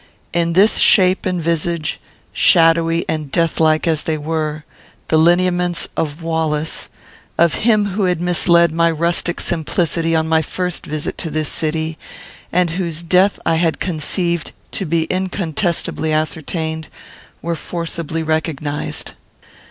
In this shape and visage, shadowy and death like as they were, the lineaments of Wallace, of him who had misled my rustic simplicity on my first visit to this city, and whose death I had conceived to be incontestably ascertained, were forcibly recognised.